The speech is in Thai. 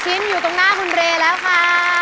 ชิ้นอยู่ตรงหน้าคุณเรย์แล้วค่ะ